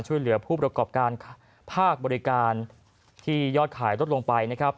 ช่วยเหลือผู้ประกอบการภาคบริการที่ยอดขายลดลงไปนะครับ